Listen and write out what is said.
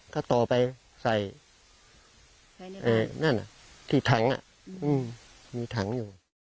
ถ้าต่อไปใส่นั่นอ่ะที่ถังอ่ะอื้มมีถังอยู่